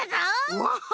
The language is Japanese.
うわっは！